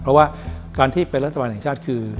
เพราะว่าการที่เป็นรัฐบาลแห่งชาติคือ